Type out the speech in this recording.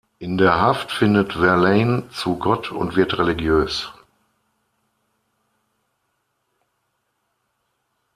In der Haft findet Verlaine zu Gott und wird religiös.